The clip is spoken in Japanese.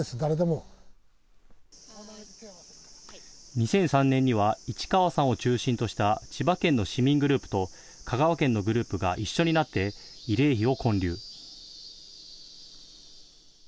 ２００３年には市川さんを中心とした千葉県の市民グループと香川県のグループが一緒になって慰霊碑を建立。